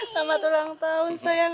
selamat ulang tahun sayang